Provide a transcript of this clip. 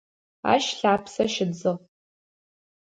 Ащ лъапсэ щыдзыгъ.